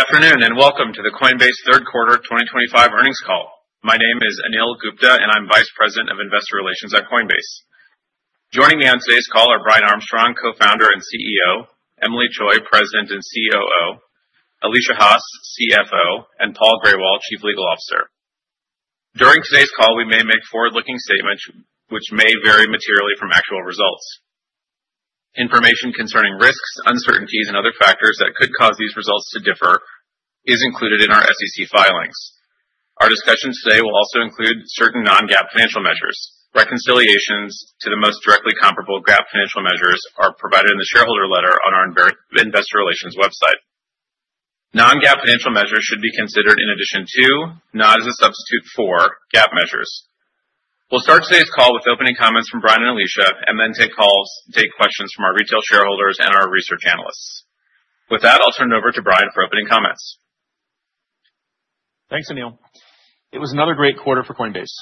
Good afternoon and welcome to the Coinbase third quarter 2025 earnings call. My name is Anil Gupta, and I'm Vice President of Investor Relations at Coinbase. Joining me on today's call are Brian Armstrong, Co-founder and CEO, Emilie Choi, President and COO, Alesia Haas, CFO, and Paul Grewal, Chief Legal Officer. During today's call, we may make forward-looking statements, which may vary materially from actual results. Information concerning risks, uncertainties, and other factors that could cause these results to differ is included in our SEC filings. Our discussions today will also include certain non-GAAP financial measures. Reconciliations to the most directly comparable GAAP financial measures are provided in the shareholder letter on our Investor Relations website. Non-GAAP financial measures should be considered in addition to, not as a substitute for, GAAP measures. We'll start today's call with opening comments from Brian and Alesia, and then take questions from our retail shareholders and our research analysts. With that, I'll turn it over to Brian for opening comments. Thanks, Anil. It was another great quarter for Coinbase.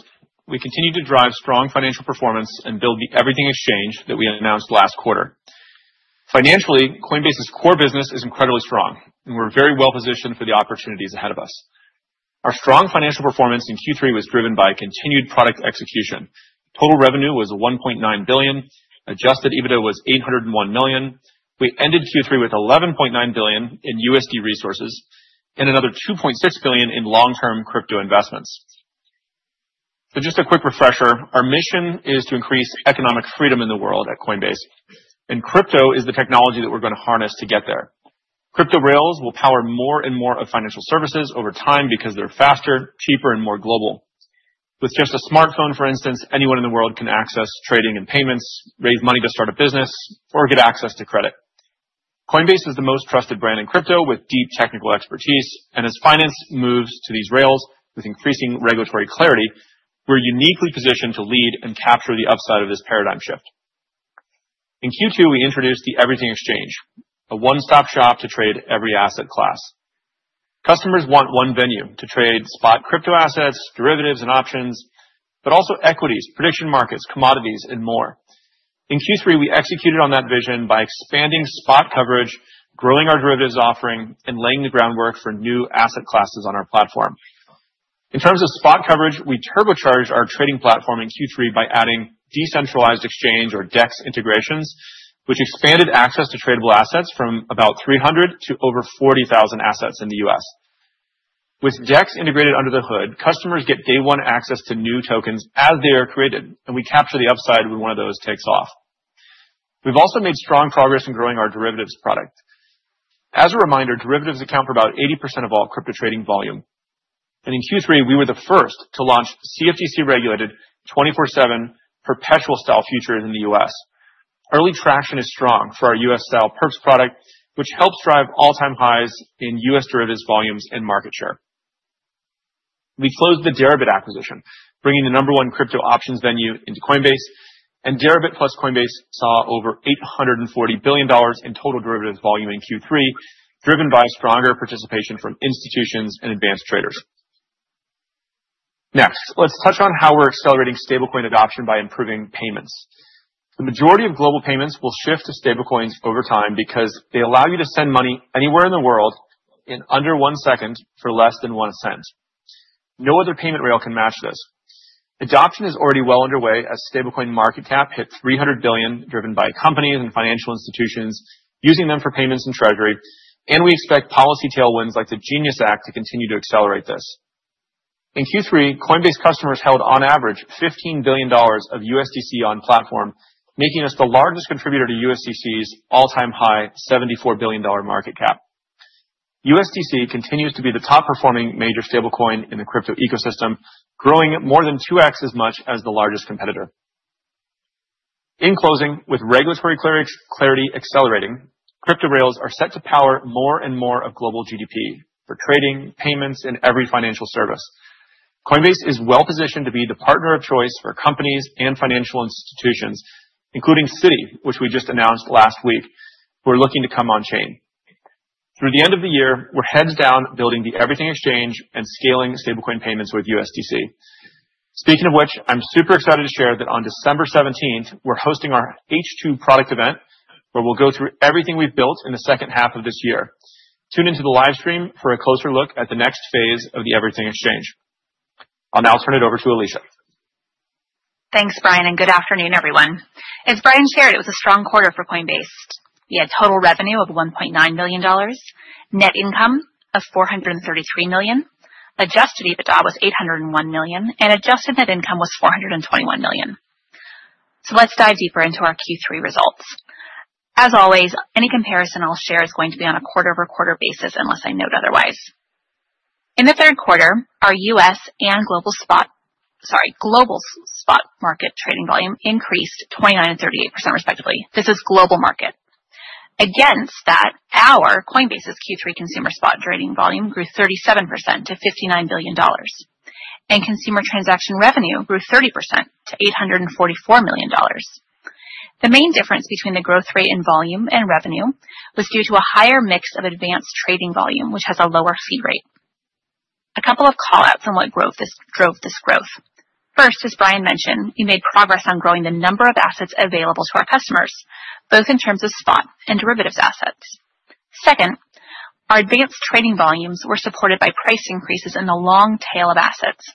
We continue to drive strong financial performance and build the Everything Exchange that we announced last quarter. Financially, Coinbase's core business is incredibly strong, and we're very well positioned for the opportunities ahead of us. Our strong financial performance in Q3 was driven by continued product execution. Total revenue was $1.9 billion. Adjusted EBITDA was $801 million. We ended Q3 with $11.9 billion in USD resources and another $2.6 billion in long-term crypto investments. So just a quick refresher, our mission is to increase economic freedom in the world at Coinbase, and crypto is the technology that we're going to harness to get there. Crypto rails will power more and more of financial services over time because they're faster, cheaper, and more global. With just a smartphone, for instance, anyone in the world can access trading and payments, raise money to start a business, or get access to credit. Coinbase is the most trusted brand in crypto with deep technical expertise, and as finance moves to these rails with increasing regulatory clarity, we're uniquely positioned to lead and capture the upside of this paradigm shift. In Q2, we introduced the Everything Exchange, a one-stop shop to trade every asset class. Customers want one venue to trade spot crypto assets, derivatives, and options, but also equities, prediction markets, commodities, and more. In Q3, we executed on that vision by expanding spot coverage, growing our derivatives offering, and laying the groundwork for new asset classes on our platform. In terms of spot coverage, we turbocharged our trading platform in Q3 by adding decentralized exchange or DEX integrations, which expanded access to tradable assets from about 300 to over 40,000 assets in the U.S. With DEX integrated under the hood, customers get day-one access to new tokens as they are created, and we capture the upside when one of those takes off. We've also made strong progress in growing our derivatives product. As a reminder, derivatives account for about 80% of all crypto trading volume, and in Q3, we were the first to launch CFTC-regulated 24/7 perpetual style futures in the U.S. Early traction is strong for our U.S. style perps product, which helps drive all-time highs in U.S. derivatives volumes and market share. We closed the Deribit acquisition, bringing the number one crypto options venue into Coinbase, and Deribit plus Coinbase saw over $840 billion in total derivatives volume in Q3, driven by stronger participation from institutions and advanced traders. Next, let's touch on how we're accelerating stablecoin adoption by improving payments. The majority of global payments will shift to stablecoins over time because they allow you to send money anywhere in the world in under one second for less than one cent. No other payment rail can match this. Adoption is already well underway as stablecoin market cap hit $300 billion, driven by companies and financial institutions using them for payments and treasury, and we expect policy tailwinds like the Genius Act to continue to accelerate this. In Q3, Coinbase customers held, on average, $15 billion of USDC on platform, making us the largest contributor to USDC's all-time high $74 billion market cap. USDC continues to be the top-performing major stablecoin in the crypto ecosystem, growing more than 2x as much as the largest competitor. In closing, with regulatory clarity accelerating, crypto rails are set to power more and more of global GDP for trading, payments, and every financial service. Coinbase is well positioned to be the partner of choice for companies and financial institutions, including Citi, which we just announced last week, who are looking to come on-chain. Through the end of the year, we're heads down building the Everything Exchange and scaling stablecoin payments with USDC. Speaking of which, I'm super excited to share that on December 17th, we're hosting our H2 product event, where we'll go through everything we've built in the second half of this year. Tune into the livestream for a closer look at the next phase of the Everything Exchange. I'll now turn it over to Alesia. Thanks, Brian, and good afternoon, everyone. As Brian shared, it was a strong quarter for Coinbase. We had total revenue of $1.9 billion, net income of $433 million, Adjusted EBITDA was $801 million, and adjusted net income was $421 million. So let's dive deeper into our Q3 results. As always, any comparison I'll share is going to be on a quarter-over-quarter basis, unless I note otherwise. In the third quarter, our U.S. and global spot market trading volume increased 29% and 38%, respectively. This is global market. Against that, our Coinbase's Q3 consumer spot trading volume grew 37% to $59 billion, and consumer transaction revenue grew 30% to $844 million. The main difference between the growth rate in volume and revenue was due to a higher mix of advanced trading volume, which has a lower fee rate. A couple of callouts on what drove this growth. First, as Brian mentioned, we made progress on growing the number of assets available to our customers, both in terms of spot and derivatives assets. Second, our advanced trading volumes were supported by price increases in the long tail of assets,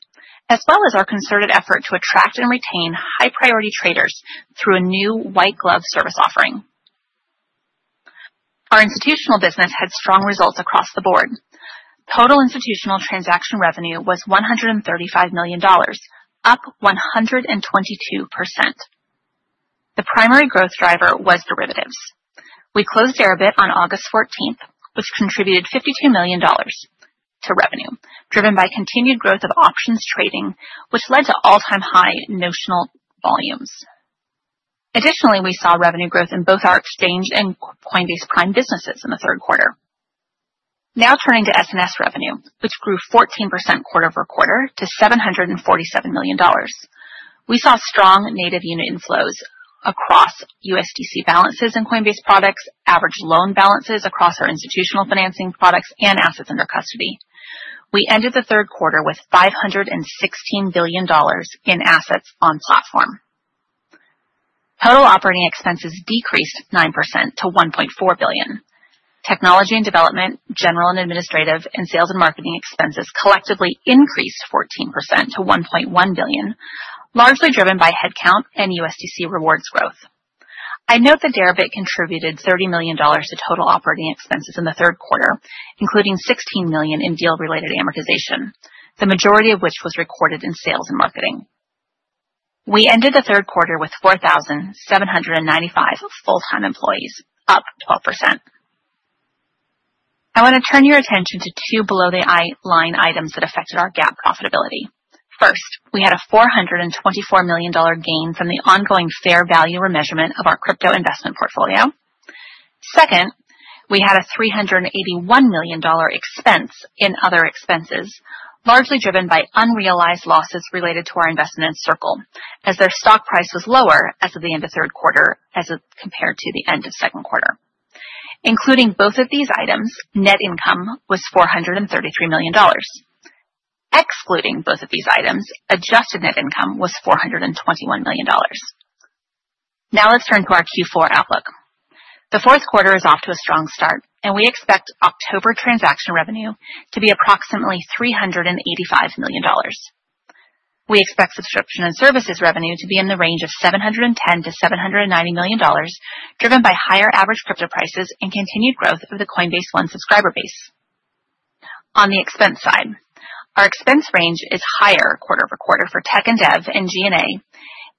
as well as our concerted effort to attract and retain high-priority traders through a new white-glove service offering. Our institutional business had strong results across the board. Total institutional transaction revenue was $135 million, up 122%. The primary growth driver was derivatives. We closed Deribit on August 14th, which contributed $52 million to revenue, driven by continued growth of options trading, which led to all-time high notional volumes. Additionally, we saw revenue growth in both our exchange and Coinbase Prime businesses in the third quarter. Now turning to S&S revenue, which grew 14% quarter-over-quarter to $747 million. We saw strong native unit inflows across USDC balances in Coinbase products, average loan balances across our institutional financing products, and assets under custody. We ended the third quarter with $516 billion in assets on platform. Total operating expenses decreased 9% to $1.4 billion. Technology and development, general and administrative, and sales and marketing expenses collectively increased 14% to $1.1 billion, largely driven by headcount and USDC rewards growth. I note that Deribit contributed $30 million to total operating expenses in the third quarter, including $16 million in deal-related amortization, the majority of which was recorded in sales and marketing. We ended the third quarter with 4,795 full-time employees, up 12%. I want to turn your attention to two below-the-line items that affected our GAAP profitability. First, we had a $424 million gain from the ongoing fair value remeasurement of our crypto investment portfolio. Second, we had a $381 million expense in other expenses, largely driven by unrealized losses related to our investment in Circle, as their stock price was lower as of the end of third quarter as compared to the end of second quarter. Including both of these items, net income was $433 million. Excluding both of these items, adjusted net income was $421 million. Now let's turn to our Q4 outlook. The fourth quarter is off to a strong start, and we expect October transaction revenue to be approximately $385 million. We expect subscription and services revenue to be in the range of $710 million-$790 million, driven by higher average crypto prices and continued growth of the Coinbase One subscriber base. On the expense side, our expense range is higher quarter-over-quarter for tech and dev and G&A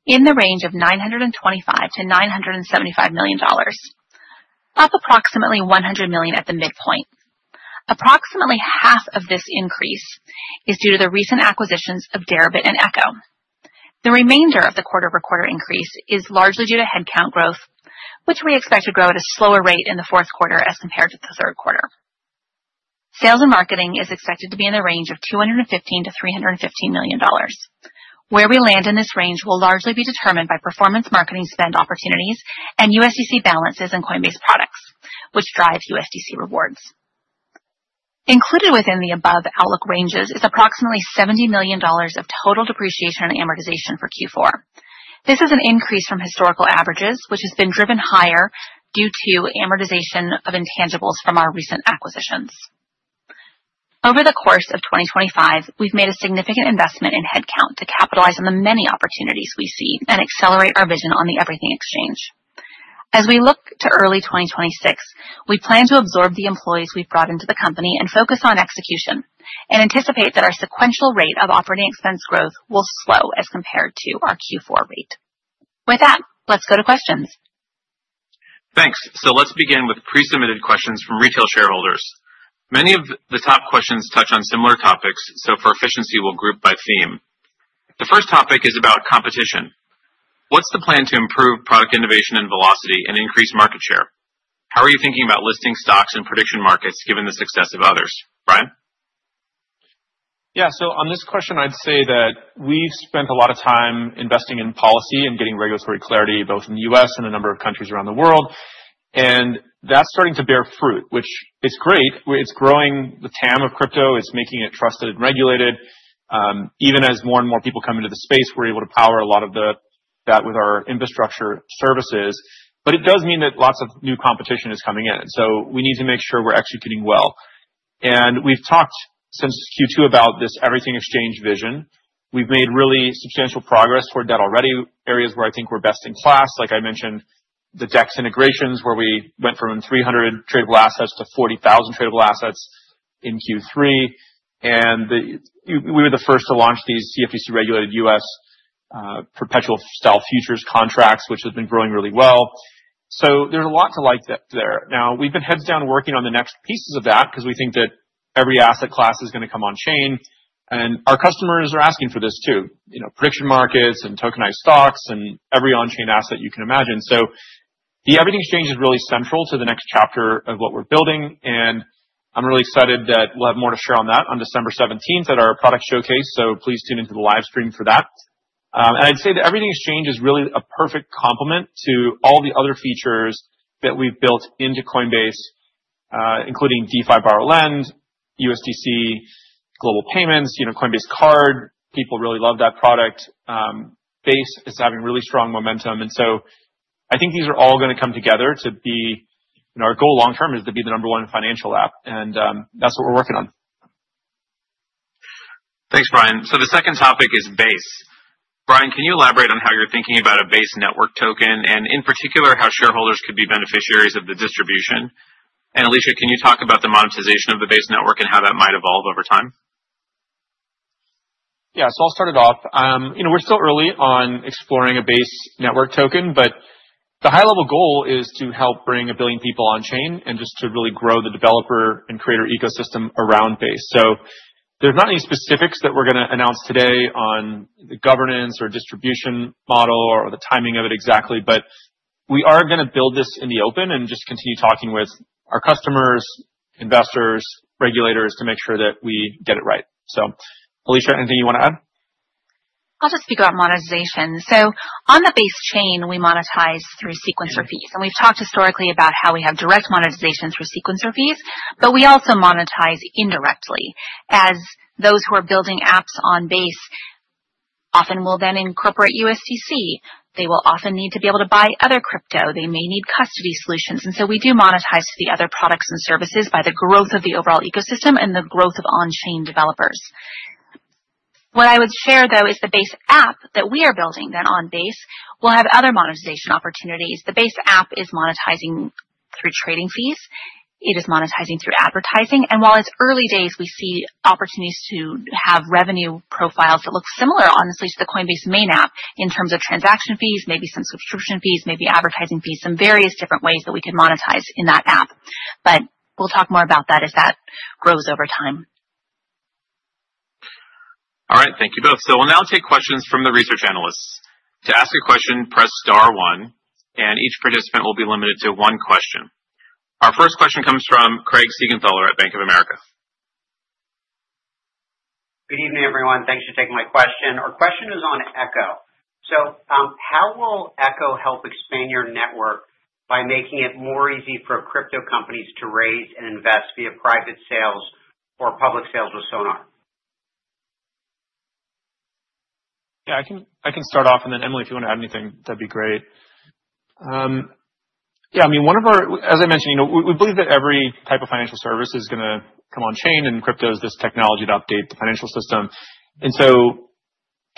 in the range of $925 million-$975 million, up approximately $100 million at the midpoint. Approximately half of this increase is due to the recent acquisitions of Deribit and Echo. The remainder of the quarter-over-quarter increase is largely due to headcount growth, which we expect to grow at a slower rate in the fourth quarter as compared to the third quarter. Sales and marketing is expected to be in the range of $215 million-$315 million. Where we land in this range will largely be determined by performance marketing spend opportunities and USDC balances in Coinbase products, which drive USDC rewards. Included within the above outlook ranges is approximately $70 million of total depreciation and amortization for Q4. This is an increase from historical averages, which has been driven higher due to amortization of intangibles from our recent acquisitions. Over the course of 2025, we've made a significant investment in headcount to capitalize on the many opportunities we see and accelerate our vision on the Everything Exchange. As we look to early 2026, we plan to absorb the employees we've brought into the company and focus on execution, and anticipate that our sequential rate of operating expense growth will slow as compared to our Q4 rate. With that, let's go to questions. Thanks. So let's begin with pre-submitted questions from retail shareholders. Many of the top questions touch on similar topics, so for efficiency, we'll group by theme. The first topic is about competition. What's the plan to improve product innovation and velocity and increase market share? How are you thinking about listing stocks in prediction markets given the success of others? Brian? Yeah, so on this question, I'd say that we've spent a lot of time investing in policy and getting regulatory clarity both in the U.S. and a number of countries around the world, and that's starting to bear fruit, which is great. It's growing the TAM of crypto. It's making it trusted and regulated. Even as more and more people come into the space, we're able to power a lot of that with our infrastructure services, but it does mean that lots of new competition is coming in, so we need to make sure we're executing well. And we've talked since Q2 about this Everything Exchange vision. We've made really substantial progress toward that already, areas where I think we're best in class. Like I mentioned, the DEX integrations where we went from 300 tradable assets to 40,000 tradable assets in Q3, and we were the first to launch these CFTC-regulated U.S. perpetual style futures contracts, which have been growing really well. So there's a lot to like there. Now, we've been heads down working on the next pieces of that because we think that every asset class is going to come on-chain, and our customers are asking for this too, prediction markets and tokenized stocks and every on-chain asset you can imagine. So the Everything Exchange is really central to the next chapter of what we're building, and I'm really excited that we'll have more to share on that on December 17th at our product showcase, so please tune into the livestream for that. I'd say the Everything Exchange is really a perfect complement to all the other features that we've built into Coinbase, including DeFi Borrow Lend, USDC, global payments, Coinbase Card. People really love that product. Base is having really strong momentum, and so I think these are all going to come together to be our goal long term is to be the number one financial app, and that's what we're working on. Thanks, Brian. So the second topic is Base. Brian, can you elaborate on how you're thinking about a Base network token and, in particular, how shareholders could be beneficiaries of the distribution? And Alesia, can you talk about the monetization of the Base network and how that might evolve over time? Yeah, so I'll start it off. We're still early on exploring a Base network token, but the high-level goal is to help bring a billion people on-chain and just to really grow the developer and creator ecosystem around Base. So there's not any specifics that we're going to announce today on the governance or distribution model or the timing of it exactly, but we are going to build this in the open and just continue talking with our customers, investors, regulators to make sure that we get it right. So, Alesia, anything you want to add? I'll just speak about monetization. So on the Base chain, we monetize through sequencer fees, and we've talked historically about how we have direct monetization through sequencer fees, but we also monetize indirectly, as those who are building apps on Base often will then incorporate USDC. They will often need to be able to buy other crypto. They may need custody solutions, and so we do monetize to the other products and services by the growth of the overall ecosystem and the growth of on-chain developers. What I would share, though, is the Base app that we are building then on Base will have other monetization opportunities. The Base app is monetizing through trading fees. It is monetizing through advertising, and while it's early days, we see opportunities to have revenue profiles that look similar, honestly, to the Coinbase main app in terms of transaction fees, maybe some subscription fees, maybe advertising fees, some various different ways that we could monetize in that app, but we'll talk more about that as that grows over time. All right, thank you both. So we'll now take questions from the research analysts. To ask a question, press star one, and each participant will be limited to one question. Our first question comes from Craig Siegenthaler at Bank of America. Good evening, everyone. Thanks for taking my question. Our question is on Echo. So how will Echo help expand your network by making it more easy for crypto companies to raise and invest via private sales or public sales with Sonar? Yeah, I can start off, and then Emilie, if you want to add anything, that'd be great. Yeah, I mean, one of our, as I mentioned, we believe that every type of financial service is going to come on-chain, and crypto is this technology to update the financial system. And so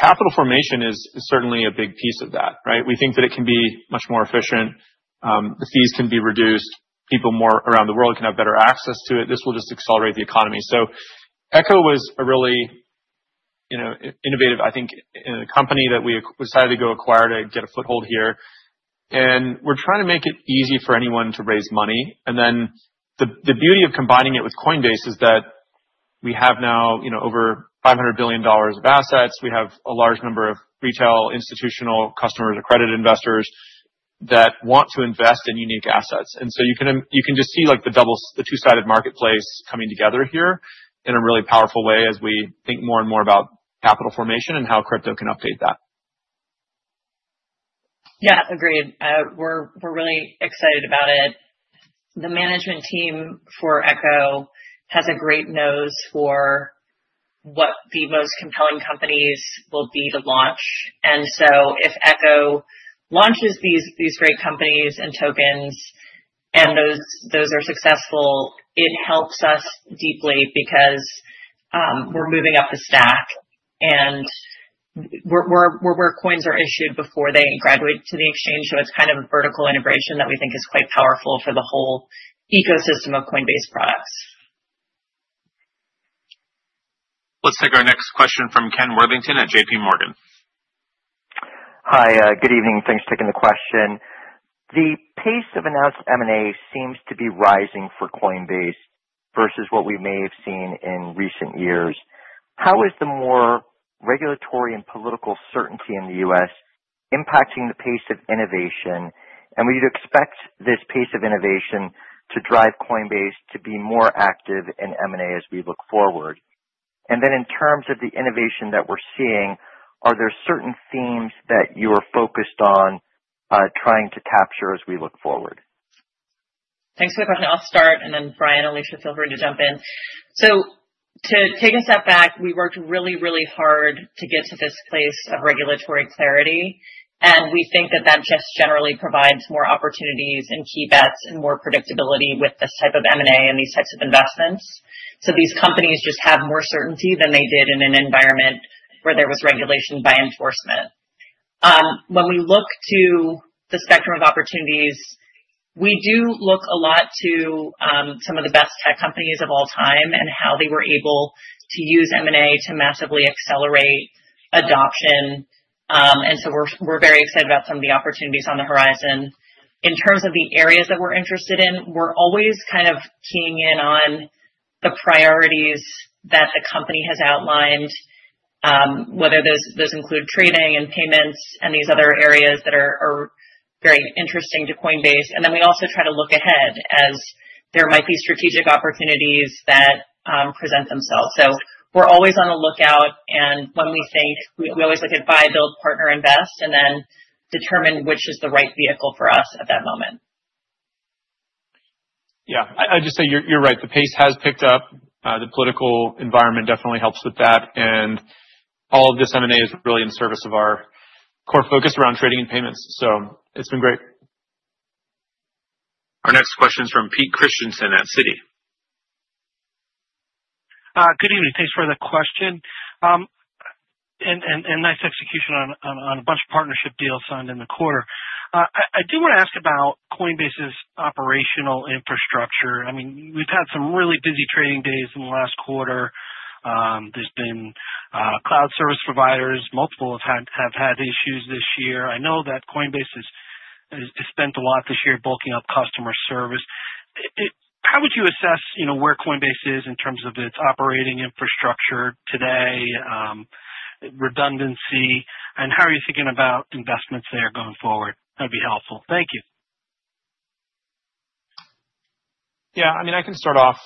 capital formation is certainly a big piece of that, right? We think that it can be much more efficient. The fees can be reduced. People more around the world can have better access to it. This will just accelerate the economy. So Echo was a really innovative, I think, company that we decided to go acquire to get a foothold here, and we're trying to make it easy for anyone to raise money. And then the beauty of combining it with Coinbase is that we have now over $500 billion of assets. We have a large number of retail institutional customers, accredited investors that want to invest in unique assets. And so you can just see the two-sided marketplace coming together here in a really powerful way as we think more and more about capital formation and how crypto can update that. Yeah, agreed. We're really excited about it. The management team for Echo has a great nose for what the most compelling companies will be to launch. And so if Echo launches these great companies and tokens and those are successful, it helps us deeply because we're moving up the stack and where coins are issued before they graduate to the exchange. So it's kind of a vertical integration that we think is quite powerful for the whole ecosystem of Coinbase products. Let's take our next question from Ken Worthington at JPMorgan. Hi, good evening. Thanks for taking the question. The pace of announced M&A seems to be rising for Coinbase versus what we may have seen in recent years. How is the more regulatory and political certainty in the US impacting the pace of innovation? And would you expect this pace of innovation to drive Coinbase to be more active in M&A as we look forward? And then in terms of the innovation that we're seeing, are there certain themes that you are focused on trying to capture as we look forward? Thanks for the question. I'll start, and then Brian and Alesia, feel free to jump in. So to take a step back, we worked really, really hard to get to this place of regulatory clarity, and we think that that just generally provides more opportunities and key bets and more predictability with this type of M&A and these types of investments. So these companies just have more certainty than they did in an environment where there was regulation by enforcement. When we look to the spectrum of opportunities, we do look a lot to some of the best tech companies of all time and how they were able to use M&A to massively accelerate adoption, and so we're very excited about some of the opportunities on the horizon. In terms of the areas that we're interested in, we're always kind of keying in on the priorities that the company has outlined, whether those include trading and payments and these other areas that are very interesting to Coinbase, and then we also try to look ahead as there might be strategic opportunities that present themselves, so we're always on the lookout, and when we think, we always look at buy, build, partner, invest, and then determine which is the right vehicle for us at that moment. Yeah, I'd just say you're right. The pace has picked up. The political environment definitely helps with that, and all of this M&A is really in service of our core focus around trading and payments. So it's been great. Our next question is from Pete Christiansen at Citi. Good evening. Thanks for the question and nice execution on a bunch of partnership deals signed in the quarter. I do want to ask about Coinbase's operational infrastructure. I mean, we've had some really busy trading days in the last quarter. There's been cloud service providers. Multiple have had issues this year. I know that Coinbase has spent a lot this year bulking up customer service. How would you assess where Coinbase is in terms of its operating infrastructure today, redundancy, and how are you thinking about investments there going forward? That'd be helpful. Thank you. Yeah, I mean, I can start off.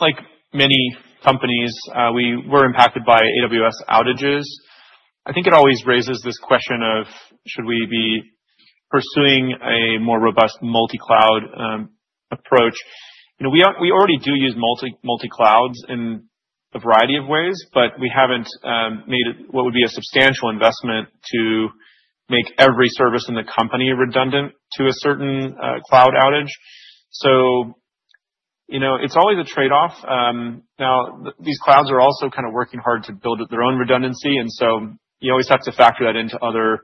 Like many companies, we were impacted by AWS outages. I think it always raises this question of should we be pursuing a more robust multi-cloud approach? We already do use multi-clouds in a variety of ways, but we haven't made what would be a substantial investment to make every service in the company redundant to a certain cloud outage. So it's always a trade-off. Now, these clouds are also kind of working hard to build their own redundancy, and so you always have to factor that into other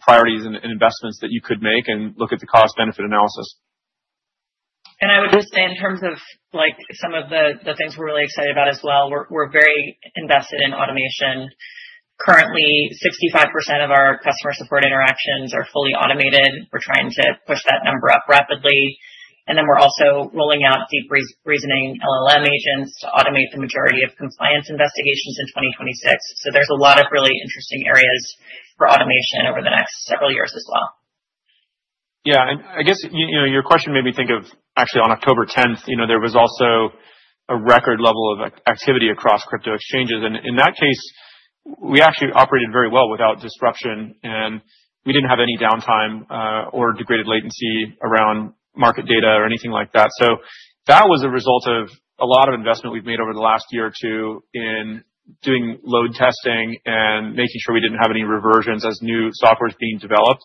priorities and investments that you could make and look at the cost-benefit analysis. I would just say in terms of some of the things we're really excited about as well, we're very invested in automation. Currently, 65% of our customer support interactions are fully automated. We're trying to push that number up rapidly, and then we're also rolling out deep reasoning LLM agents to automate the majority of compliance investigations in 2026. There's a lot of really interesting areas for automation over the next several years as well. Yeah, and I guess your question made me think of actually on October 10th, there was also a record level of activity across crypto exchanges. And in that case, we actually operated very well without disruption, and we didn't have any downtime or degraded latency around market data or anything like that. So that was a result of a lot of investment we've made over the last year or two in doing load testing and making sure we didn't have any regressions as new software is being developed.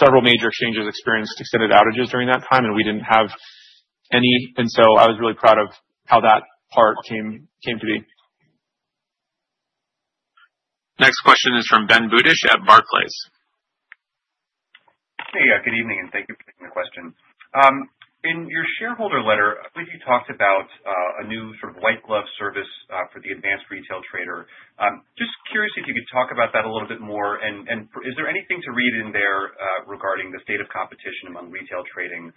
Several major exchanges experienced extended outages during that time, and we didn't have any, and so I was really proud of how that part came to be. Next question is from Ben Budish at Barclays. Hey, good evening, and thank you for taking the question. In your shareholder letter, I believe you talked about a new sort of white-glove service for the advanced retail trader. Just curious if you could talk about that a little bit more, and is there anything to read in there regarding the state of competition among retail trading?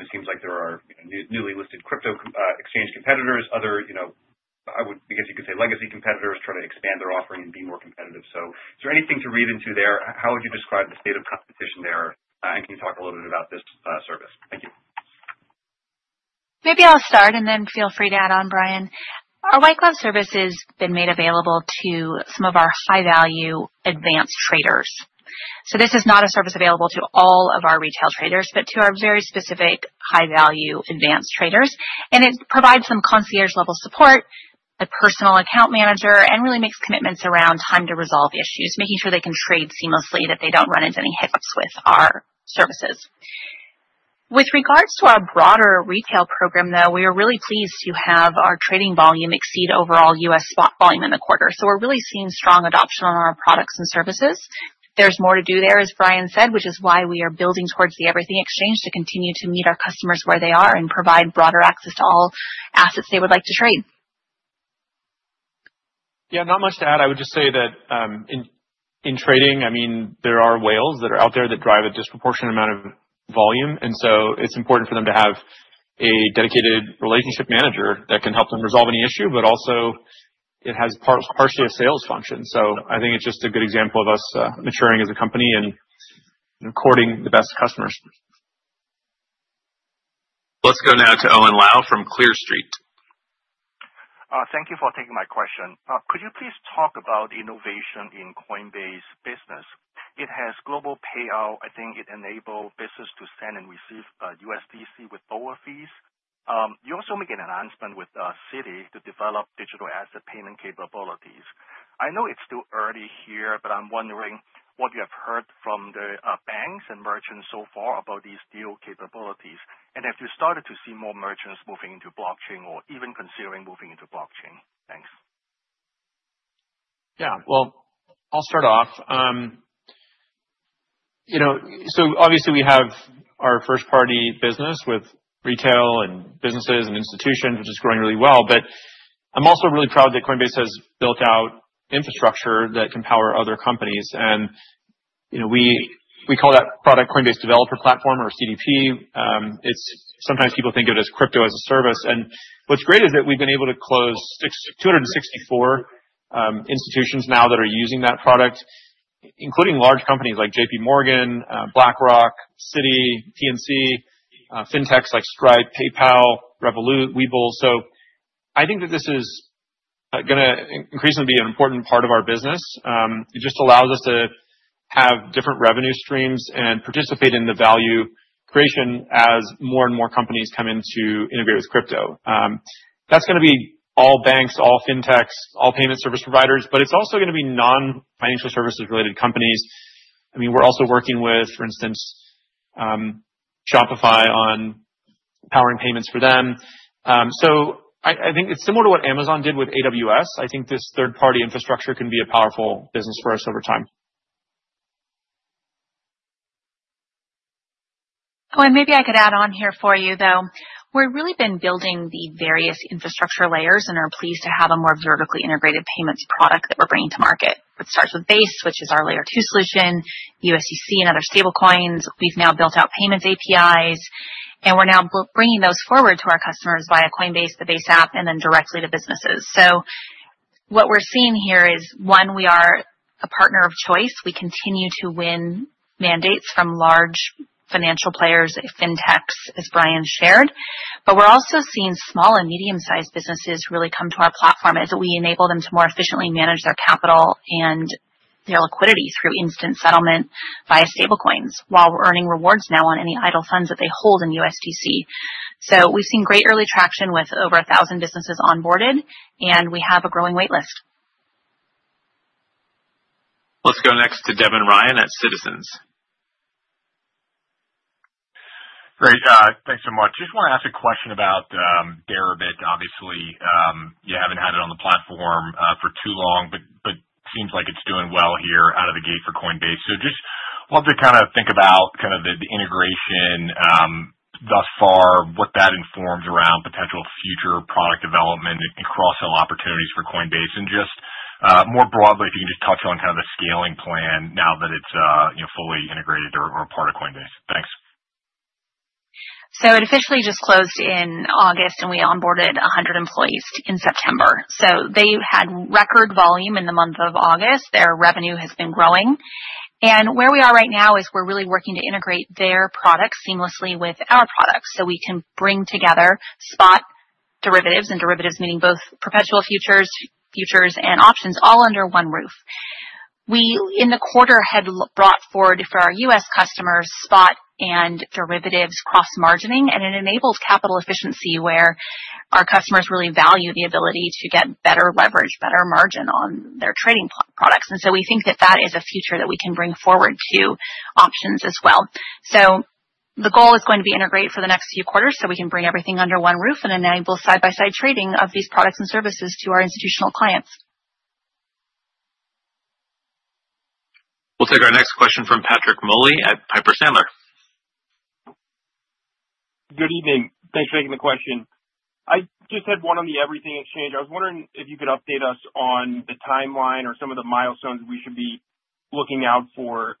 It seems like there are newly listed crypto exchange competitors, other, I guess you could say, legacy competitors trying to expand their offering and be more competitive. So is there anything to read into there? How would you describe the state of competition there? And can you talk a little bit about this service? Thank you. Maybe I'll start, and then feel free to add on, Brian. Our white-glove service has been made available to some of our high-value advanced traders. So this is not a service available to all of our retail traders, but to our very specific high-value advanced traders. And it provides some concierge-level support, a personal account manager, and really makes commitments around time to resolve issues, making sure they can trade seamlessly, that they don't run into any hiccups with our services. With regards to our broader retail program, though, we are really pleased to have our trading volume exceed overall US spot volume in the quarter. So we're really seeing strong adoption on our products and services. There's more to do there, as Brian said, which is why we are building towards the Everything Exchange to continue to meet our customers where they are and provide broader access to all assets they would like to trade. Yeah, not much to add. I would just say that in trading, I mean, there are whales that are out there that drive a disproportionate amount of volume, and so it's important for them to have a dedicated relationship manager that can help them resolve any issue, but also it has partially a sales function. So I think it's just a good example of us maturing as a company and courting the best customers. Let's go now to Owen Lau from Clear Street. Thank you for taking my question. Could you please talk about innovation in Coinbase Business? It has global payout. I think it enables businesses to send and receive USDC with lower fees. You also make an announcement with Citi to develop digital asset payment capabilities. I know it's still early here, but I'm wondering what you have heard from the banks and merchants so far about these deal capabilities, and have you started to see more merchants moving into blockchain or even considering moving into blockchain? Thanks. Yeah, well, I'll start off. So obviously, we have our first-party business with retail and businesses and institutions, which is growing really well, but I'm also really proud that Coinbase has built out infrastructure that can power other companies. And we call that product Coinbase Developer Platform or CDP. Sometimes people think of it as crypto as a service, and what's great is that we've been able to close 264 institutions now that are using that product, including large companies like JPMorgan, BlackRock, Citi, PNC, fintechs like Stripe, PayPal, Revolut, Webull. So I think that this is going to increasingly be an important part of our business. It just allows us to have different revenue streams and participate in the value creation as more and more companies come in to integrate with crypto. That's going to be all banks, all fintechs, all payment service providers, but it's also going to be non-financial services-related companies. I mean, we're also working with, for instance, Shopify on powering payments for them. So I think it's similar to what Amazon did with AWS. I think this third-party infrastructure can be a powerful business for us over time. Oh, and maybe I could add on here for you, though. We've really been building the various infrastructure layers and are pleased to have a more vertically integrated payments product that we're bringing to market. It starts with Base, which is our Layer 2 solution, USDC, and other stablecoins. We've now built out payments APIs, and we're now bringing those forward to our customers via Coinbase, the Base app, and then directly to businesses. So what we're seeing here is, one, we are a partner of choice. We continue to win mandates from large financial players, fintechs, as Brian shared, but we're also seeing small and medium-sized businesses really come to our platform as we enable them to more efficiently manage their capital and their liquidity through instant settlement via stablecoins while earning rewards now on any idle funds that they hold in USDC. We've seen great early traction with over 1,000 businesses onboarded, and we have a growing waitlist. Let's go next to Devin Ryan at Citizens. Great. Thanks so much. I just want to ask a question about Deribit. Obviously, you haven't had it on the platform for too long, but it seems like it's doing well here out of the gate for Coinbase. So just wanted to kind of think about kind of the integration thus far, what that informs around potential future product development and cross-sell opportunities for Coinbase, and just more broadly, if you can just touch on kind of the scaling plan now that it's fully integrated or a part of Coinbase. Thanks. It officially just closed in August, and we onboarded 100 employees in September. They had record volume in the month of August. Their revenue has been growing. Where we are right now is we're really working to integrate their products seamlessly with our products so we can bring together spot derivatives, and derivatives meaning both perpetual futures, futures, and options, all under one roof. We, in the quarter, had brought forward for our U.S. customers spot and derivatives cross-margining, and it enabled capital efficiency where our customers really value the ability to get better leverage, better margin on their trading products. We think that that is a future that we can bring forward to options as well. The goal is going to be to integrate for the next few quarters so we can bring everything under one roof and enable side-by-side trading of these products and services to our institutional clients. We'll take our next question from Patrick Moley at Piper Sandler. Good evening. Thanks for taking the question. I just had one on the Everything Exchange. I was wondering if you could update us on the timeline or some of the milestones we should be looking out for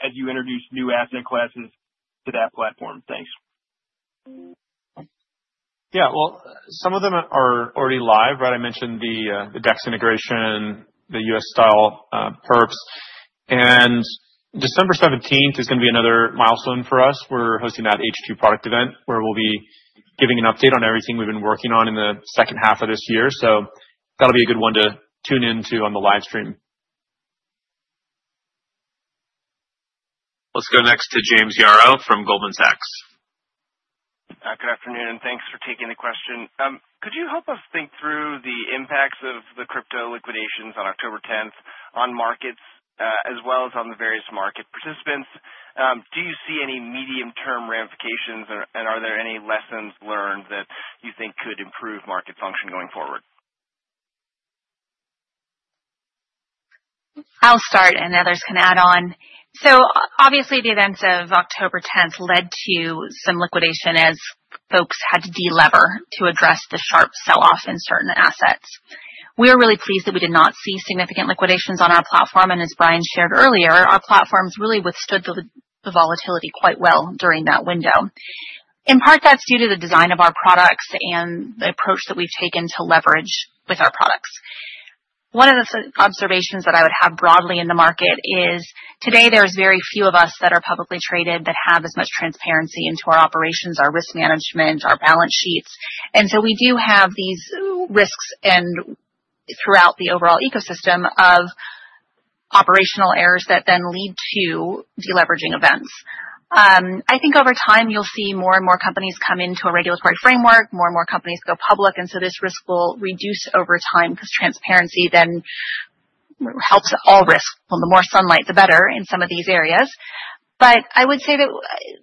as you introduce new asset classes to that platform. Thanks. Yeah, well, some of them are already live, right? I mentioned the DEX integration, the U.S.-style perps, and December 17th is going to be another milestone for us. We're hosting that H2 product event where we'll be giving an update on everything we've been working on in the second half of this year, so that'll be a good one to tune into on the livestream. Let's go next to James Yaro from Goldman Sachs. Good afternoon, and thanks for taking the question. Could you help us think through the impacts of the crypto liquidations on October 10th on markets as well as on the various market participants? Do you see any medium-term ramifications, and are there any lessons learned that you think could improve market function going forward? I'll start, and others can add on. So obviously, the events of October 10th led to some liquidation as folks had to delever to address the sharp sell-off in certain assets. We are really pleased that we did not see significant liquidations on our platform, and as Brian shared earlier, our platforms really withstood the volatility quite well during that window. In part, that's due to the design of our products and the approach that we've taken to leverage with our products. One of the observations that I would have broadly in the market is today there are very few of us that are publicly traded that have as much transparency into our operations, our risk management, our balance sheets, and so we do have these risks throughout the overall ecosystem of operational errors that then lead to deleveraging events. I think over time you'll see more and more companies come into a regulatory framework, more and more companies go public, and so this risk will reduce over time because transparency then helps all risk. The more sunlight, the better in some of these areas. But I would say that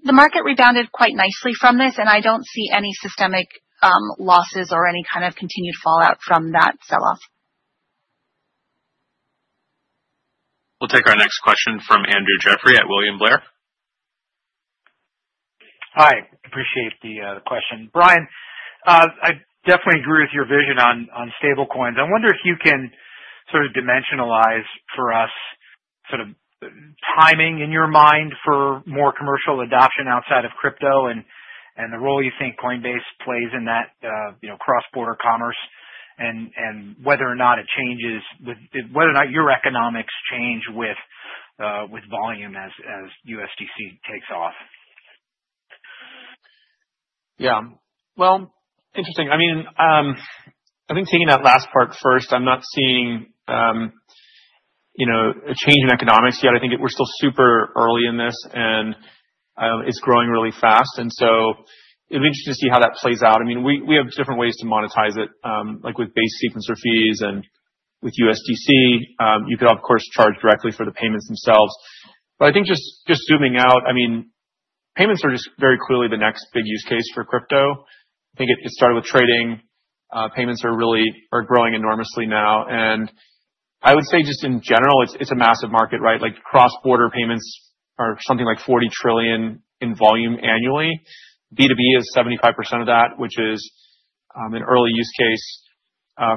the market rebounded quite nicely from this, and I don't see any systemic losses or any kind of continued fallout from that sell-off. We'll take our next question from Andrew Jeffrey at William Blair. Hi. Appreciate the question. Brian, I definitely agree with your vision on stablecoins. I wonder if you can sort of dimensionalize for us sort of timing in your mind for more commercial adoption outside of crypto and the role you think Coinbase plays in that cross-border commerce and whether or not it changes with whether or not your economics change with volume as USDC takes off. Yeah. Well, interesting. I mean, I think taking that last part first, I'm not seeing a change in economics yet. I think we're still super early in this, and it's growing really fast, and so it'll be interesting to see how that plays out. I mean, we have different ways to monetize it, like with Base sequencer fees and with USDC. You could, of course, charge directly for the payments themselves. But I think just zooming out, I mean, payments are just very clearly the next big use case for crypto. I think it started with trading. Payments are growing enormously now, and I would say just in general, it's a massive market, right? Cross-border payments are something like 40 trillion in volume annually. B2B is 75% of that, which is an early use case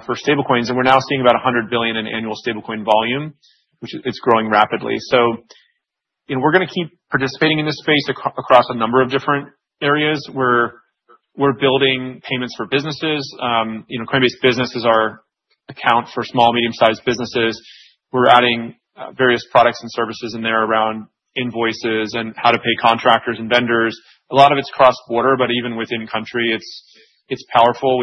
for stablecoins. We're now seeing about $100 billion in annual stablecoin volume, which, it's growing rapidly. We're going to keep participating in this space across a number of different areas. We're building payments for businesses. Coinbase Business is our account for small, medium-sized businesses. We're adding various products and services in there around invoices and how to pay contractors and vendors. A lot of it's cross-border, but even within country, it's powerful.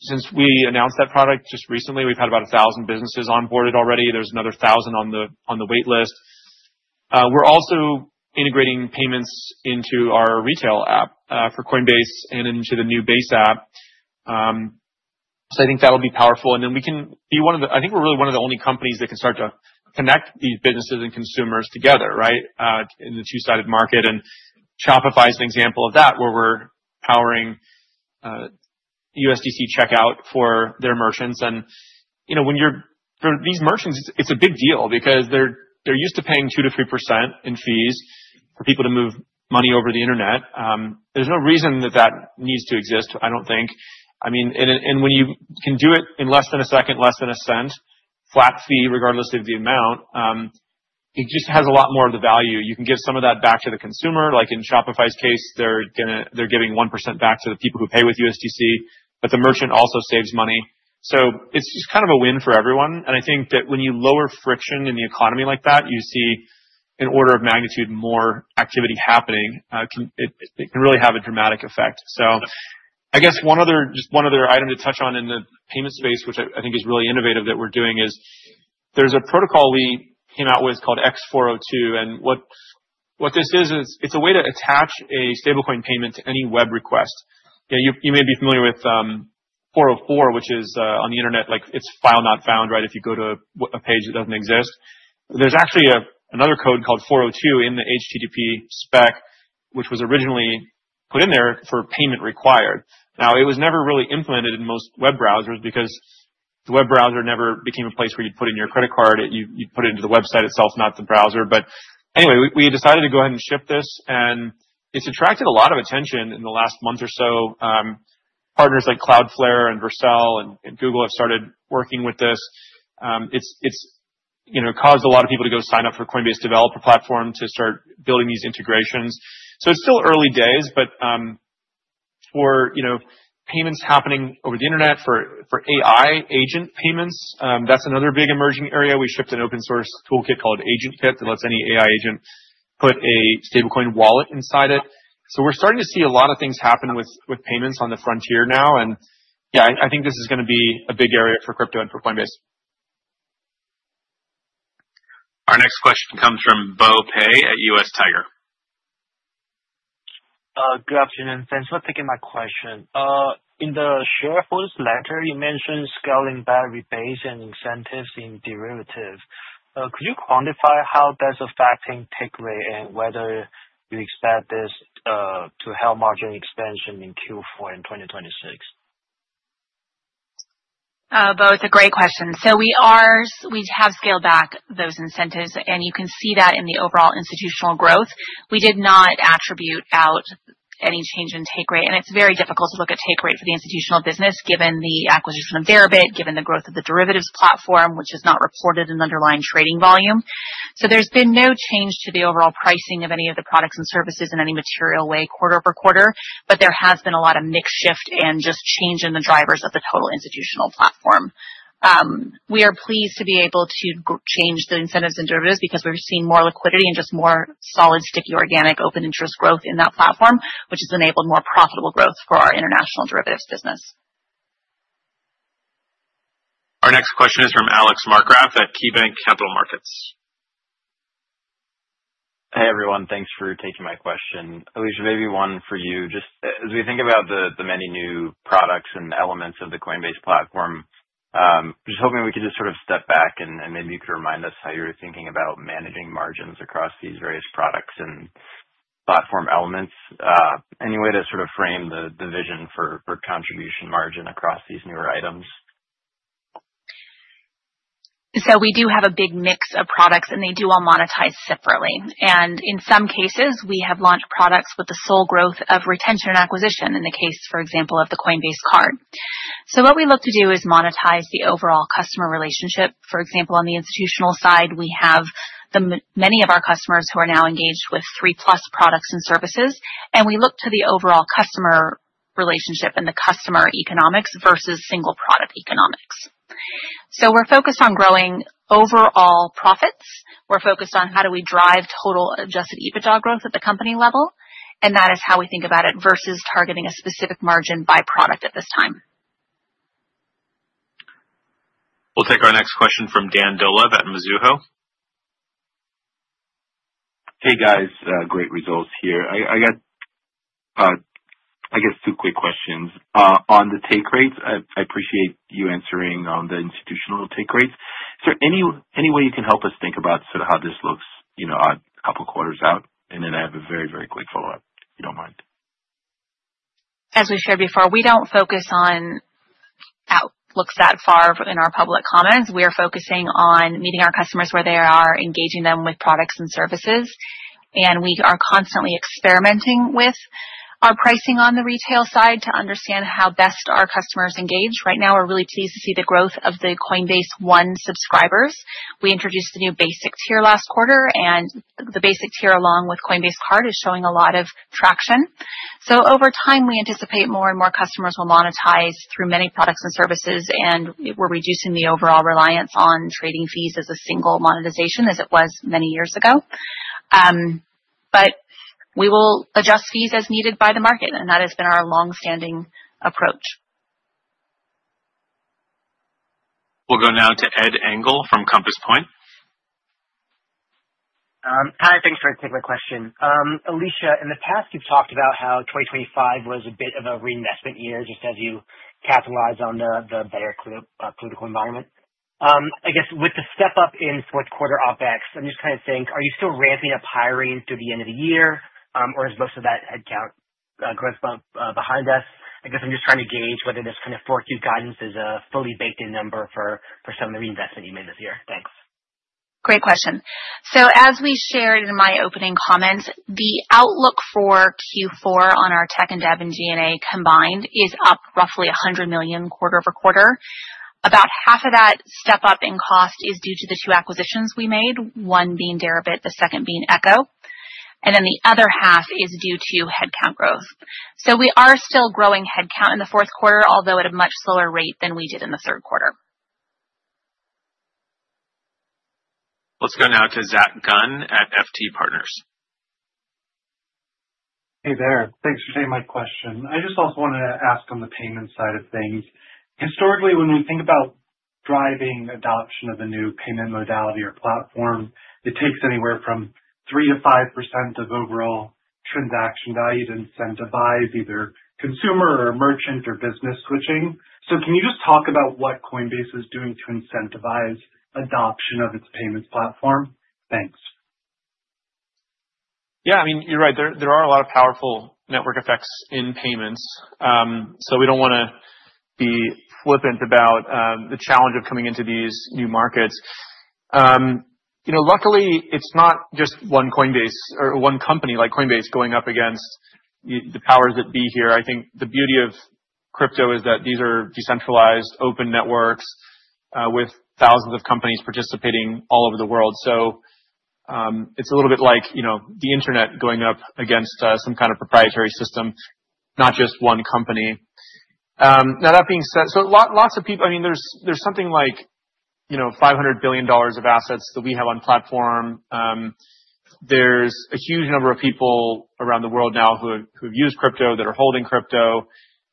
Since we announced that product just recently, we've had about 1,000 businesses onboarded already. There's another 1,000 on the waitlist. We're also integrating payments into our retail app for Coinbase and into the new Base app. That'll be powerful. We can be one of the. I think we're really one of the only companies that can start to connect these businesses and consumers together, right, in the two-sided market. Shopify is an example of that where we're powering USDC checkout for their merchants. For these merchants, it's a big deal because they're used to paying 2%-3% in fees for people to move money over the internet. There's no reason that that needs to exist, I don't think. I mean, and when you can do it in less than a second, less than a cent, flat fee, regardless of the amount, it just has a lot more of the value. You can give some of that back to the consumer. Like in Shopify's case, they're giving 1% back to the people who pay with USDC, but the merchant also saves money. So it's just kind of a win for everyone. I think that when you lower friction in the economy like that, you see an order of magnitude more activity happening. It can really have a dramatic effect. So I guess just one other item to touch on in the payment space, which I think is really innovative that we're doing, is there's a protocol we came out with called X402. And what this is, it's a way to attach a stablecoin payment to any web request. You may be familiar with 404, which is on the internet, like it's file not found, right? If you go to a page that doesn't exist, there's actually another code called 402 in the HTTP spec, which was originally put in there for payment required. Now, it was never really implemented in most web browsers because the web browser never became a place where you'd put in your credit card. You'd put it into the website itself, not the browser. But anyway, we decided to go ahead and ship this, and it's attracted a lot of attention in the last month or so. Partners like Cloudflare and Vercel and Google have started working with this. It's caused a lot of people to go sign up for Coinbase Developer Platform to start building these integrations. So it's still early days, but for payments happening over the internet for AI agent payments, that's another big emerging area. We shipped an open-source toolkit called AgentKit that lets any AI agent put a stablecoin wallet inside it. So we're starting to see a lot of things happen with payments on the frontier now. And yeah, I think this is going to be a big area for crypto and for Coinbase. Our next question comes from Bo Pei at US Tiger. Good afternoon. Thanks for taking my question. In the shareholders' letter, you mentioned scaling back with Base and incentives in derivatives. Could you quantify how that's affecting takeaway and whether you expect this to help margin expansion in Q4 in 2026? Bo, it's a great question. So we have scaled back those incentives, and you can see that in the overall institutional growth. We did not call out any change in take rate, and it's very difficult to look at take rate for the institutional business given the acquisition of Deribit, given the growth of the derivatives platform, which has not reported an underlying trading volume. So there's been no change to the overall pricing of any of the products and services in any material way quarter-over-quarter, but there has been a lot of mix shift and just change in the drivers of the total institutional platform. We are pleased to be able to change the incentives and derivatives because we're seeing more liquidity and just more solid, sticky, organic open interest growth in that platform, which has enabled more profitable growth for our international derivatives business. Our next question is from Alex Markgraff at KeyBanc Capital Markets. Hey, everyone. Thanks for taking my question. Alesia, maybe one for you. Just as we think about the many new products and elements of the Coinbase platform, just hoping we could just sort of step back and maybe you could remind us how you're thinking about managing margins across these various products and platform elements. Any way to sort of frame the vision for contribution margin across these newer items? So we do have a big mix of products, and they do all monetize separately. And in some cases, we have launched products with the sole growth of retention and acquisition in the case, for example, of the Coinbase Card. So what we look to do is monetize the overall customer relationship. For example, on the institutional side, we have many of our customers who are now engaged with three-plus products and services, and we look to the overall customer relationship and the customer economics versus single-product economics. So we're focused on growing overall profits. We're focused on how do we drive total Adjusted EBITDA growth at the company level, and that is how we think about it versus targeting a specific margin by product at this time. We'll take our next question from Dan Dolev at Mizuho. Hey, guys. Great results here. I guess two quick questions. On the take rates, I appreciate you answering on the institutional take rates. Is there any way you can help us think about sort of how this looks a couple of quarters out? And then I have a very, very quick follow-up, if you don't mind. As we've shared before, we don't focus on outlooks that far in our public comments. We are focusing on meeting our customers where they are, engaging them with products and services, and we are constantly experimenting with our pricing on the retail side to understand how best our customers engage. Right now, we're really pleased to see the growth of the Coinbase One subscribers. We introduced the new Base tier last quarter, and the Base tier, along with Coinbase Card, is showing a lot of traction, so over time, we anticipate more and more customers will monetize through many products and services, and we're reducing the overall reliance on trading fees as a single monetization as it was many years ago, but we will adjust fees as needed by the market, and that has been our long-standing approach. We'll go now to Ed Engel from Compass Point. Hi. Thanks for the question. Alesia, in the past, you've talked about how 2025 was a bit of a reinvestment year just as you capitalized on the better political environment. I guess with the step-up in fourth-quarter OpEx, I'm just kind of saying, are you still ramping up hiring through the end of the year, or is most of that headcount growth behind us? I guess I'm just trying to gauge whether this kind of 4Q guidance is a fully baked-in number for some of the reinvestment you made this year. Thanks. Great question. So as we shared in my opening comments, the outlook for Q4 on our tech and dev and G&A combined is up roughly $100 million quarter-over-quarter. About half of that step-up in cost is due to the two acquisitions we made, one being Deribit, the second being Echo, and then the other half is due to headcount growth. So we are still growing headcount in the fourth quarter, although at a much slower rate than we did in the third quarter. Let's go now to Zack Gunn at FT Partners. Hey there. Thanks for taking my question. I just also wanted to ask on the payment side of things. Historically, when we think about driving adoption of a new payment modality or platform, it takes anywhere from 3%-5% of overall transaction value to incentivize either consumer or merchant or business switching. So can you just talk about what Coinbase is doing to incentivize adoption of its payments platform? Thanks. Yeah. I mean, you're right. There are a lot of powerful network effects in payments. So we don't want to be flippant about the challenge of coming into these new markets. Luckily, it's not just one Coinbase or one company like Coinbase going up against the powers that be here. I think the beauty of crypto is that these are decentralized open networks with thousands of companies participating all over the world. So it's a little bit like the internet going up against some kind of proprietary system, not just one company. Now, that being said, so lots of people, I mean, there's something like $500 billion of assets that we have on platform. There's a huge number of people around the world now who have used crypto that are holding crypto.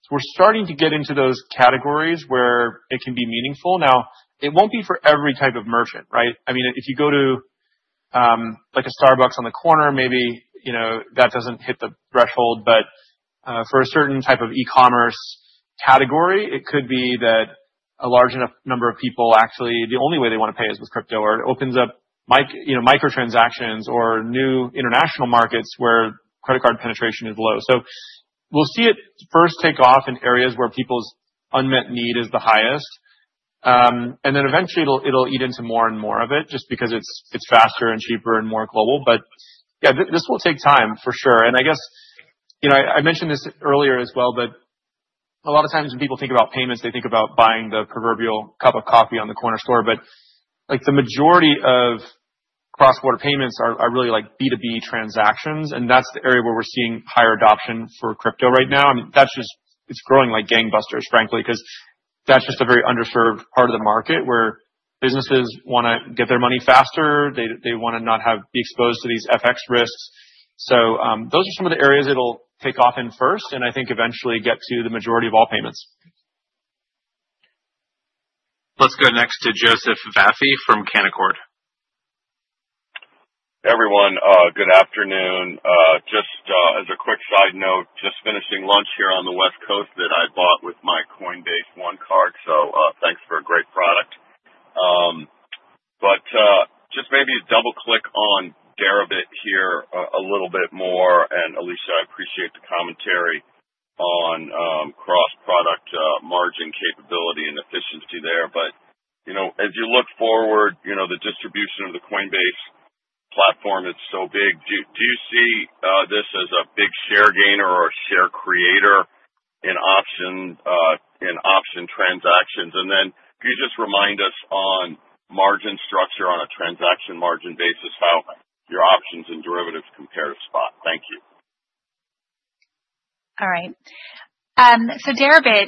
We're starting to get into those categories where it can be meaningful. Now, it won't be for every type of merchant, right? I mean, if you go to a Starbucks on the corner, maybe that doesn't hit the threshold, but for a certain type of e-commerce category, it could be that a large enough number of people actually the only way they want to pay is with crypto or it opens up microtransactions or new international markets where credit card penetration is low. So we'll see it first take off in areas where people's unmet need is the highest. And then eventually, it'll eat into more and more of it just because it's faster and cheaper and more global. But yeah, this will take time for sure. And I guess I mentioned this earlier as well, but a lot of times when people think about payments, they think about buying the proverbial cup of coffee on the corner store. But the majority of cross-border payments are really B2B transactions, and that's the area where we're seeing higher adoption for crypto right now. I mean, that's just, it's growing like gangbusters, frankly, because that's just a very underserved part of the market where businesses want to get their money faster. They want to not be exposed to these FX risks. So those are some of the areas it'll take off in first, and I think eventually get to the majority of all payments. Let's go next to Joseph Vafi from Canaccord. Everyone, good afternoon. Just as a quick side note, just finishing lunch here on the West Coast that I bought with my Coinbase One card. So thanks for a great product. But just maybe double-click on Deribit here a little bit more. And Alesia, I appreciate the commentary on cross-product margin capability and efficiency there. But as you look forward, the distribution of the Coinbase platform is so big. Do you see this as a big share gainer or a share creator in option transactions? And then could you just remind us on margin structure on a transaction margin basis, how your options and derivatives compare to spot? Thank you. All right, so Deribit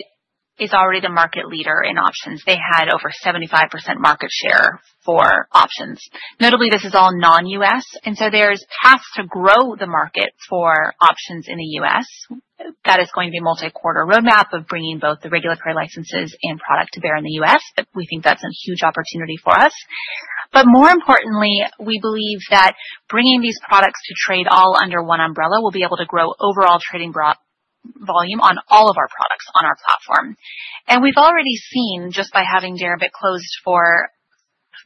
is already the market leader in options. They had over 75% market share for options. Notably, this is all non-U.S., and so there's paths to grow the market for options in the U.S. That is going to be a multi-quarter roadmap of bringing both the regulatory licenses and product to bear in the U.S., but we think that's a huge opportunity for us. But more importantly, we believe that bringing these products to trade all under one umbrella will be able to grow overall trading volume on all of our products on our platform. And we've already seen just by having Deribit closed for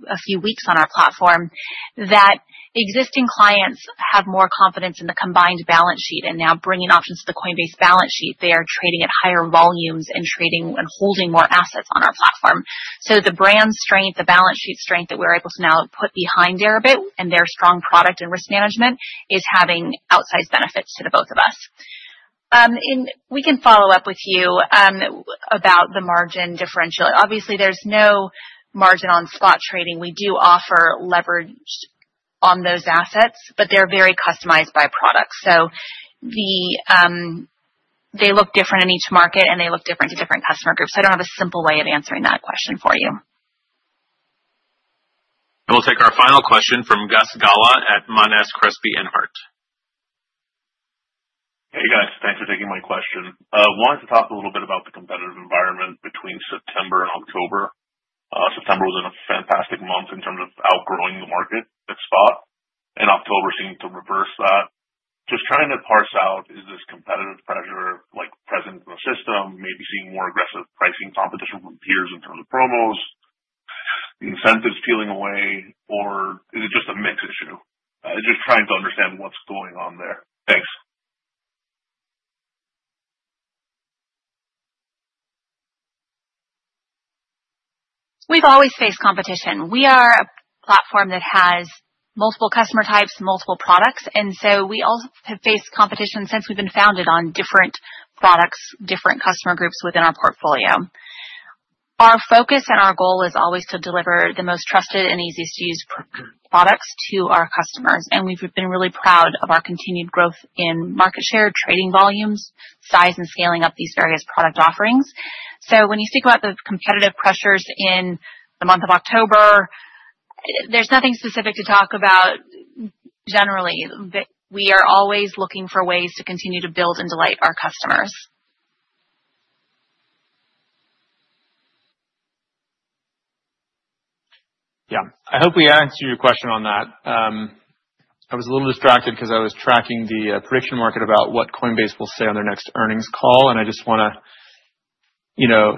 a few weeks on our platform that existing clients have more confidence in the combined balance sheet and now bringing options to the Coinbase balance sheet. They are trading at higher volumes and holding more assets on our platform. The brand strength, the balance sheet strength that we're able to now put behind Deribit and their strong product and risk management is having outsized benefits to the both of us. And we can follow up with you about the margin differential. Obviously, there's no margin on spot trading. We do offer leverage on those assets, but they're very customized by product. So they look different in each market, and they look different to different customer groups. I don't have a simple way of answering that question for you. We'll take our final question from Gus Gala at Monness, Crespi, Hardt. Hey, guys. Thanks for taking my question. I wanted to talk a little bit about the competitive environment between September and October. September was a fantastic month in terms of outgrowing the market at spot, and October seemed to reverse that. Just trying to parse out, is this competitive pressure present in the system, maybe seeing more aggressive pricing competition from peers in terms of promos, the incentives peeling away, or is it just a mix issue? Just trying to understand what's going on there. Thanks. We've always faced competition. We are a platform that has multiple customer types, multiple products, and so we all have faced competition since we've been founded on different products, different customer groups within our portfolio. Our focus and our goal is always to deliver the most trusted and easiest-to-use products to our customers. And we've been really proud of our continued growth in market share, trading volumes, size, and scaling up these various product offerings. So when you speak about the competitive pressures in the month of October, there's nothing specific to talk about generally, but we are always looking for ways to continue to build and delight our customers. Yeah. I hope we answered your question on that. I was a little distracted because I was tracking the prediction market about what Coinbase will say on their next earnings call, and I just want to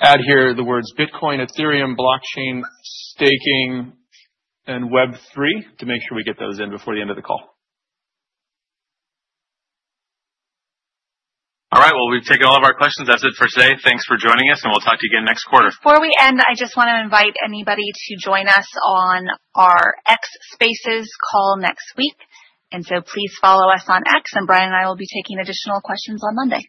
add here the words Bitcoin, Ethereum, blockchain, staking, and Web3 to make sure we get those in before the end of the call. All right. Well, we've taken all of our questions. That's it for today. Thanks for joining us, and we'll talk to you again next quarter. Before we end, I just want to invite anybody to join us on our X Spaces call next week. And so please follow us on X, and Brian and I will be taking additional questions on Monday.